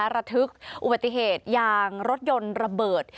ระทึกอุบัติเหตุยางรถยนต์ระเบิด